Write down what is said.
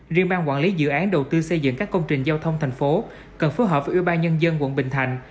riêng bang quản lý dự án đầu tư xây dựng các công trình giao thông thành phố cần phối hợp với ủy ban nhân dân quận bình thạnh